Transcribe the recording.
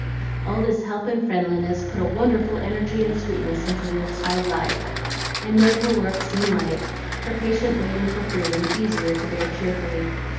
All this help and friendliness put a wonderful energy and sweetness into Ruth's hard life, and made her work seem light, her patient waiting for freedom easier to bear cheerfully.